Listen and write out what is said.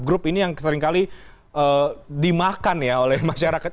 grup ini yang seringkali dimakan ya oleh masyarakat